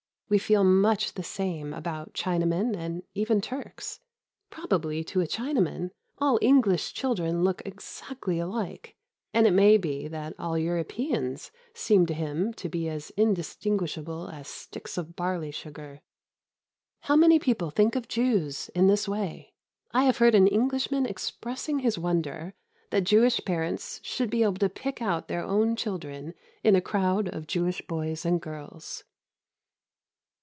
We feel much the same about Chinamen and even Turks. Probably to a Chinaman all English children look exactly alike, and it may be that all Europeans seem to him to be as indistinguishable as sticks of barley sugar. How many people think of Jews in this way! I have heard an Englishman expressing his wonder that Jewish parents should be able to pick out their own children in a crowd of Jewish boys and girls.